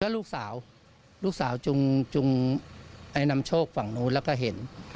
ลูกสาวลูกสาวจุงนำโชคฝั่งนู้นแล้วก็เห็น